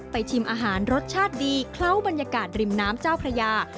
ชิมอาหารรสชาติดีเคล้าบรรยากาศริมน้ำเจ้าพระยา